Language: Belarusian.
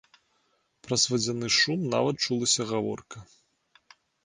Праз вадзяны шум нават чулася гаворка.